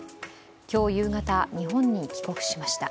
今日夕方、日本に帰国しました。